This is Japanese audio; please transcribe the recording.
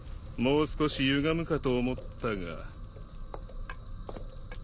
もう少しゆがむかと思ったが。